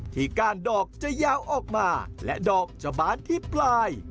ก้านดอกจะยาวออกมาและดอกจะบานที่ปลาย